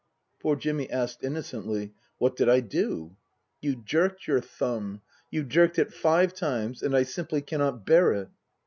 Poor Jimmy asked innocently, " What did I do ?"" You jerked your thumb. You jerked it five times, and I simply cannot bear it."